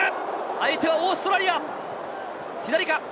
相手はオーストラリア。